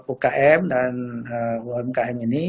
ukm dan umkm ini